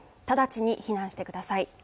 直ちに避難してください。